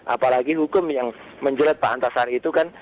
apalagi hukum yang menjelat pak antasari itu kan